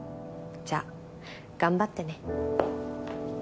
じゃあ頑張ってね。